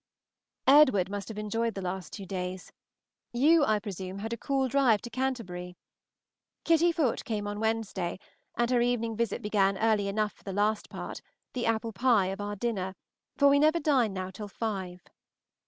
Edward must have enjoyed the last two days. You, I presume, had a cool drive to Canterbury. Kitty Foote came on Wednesday; and her evening visit began early enough for the last part, the apple pie, of our dinner, for we never dine now till five.